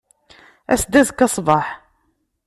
As-d azekka ṣṣbeḥ.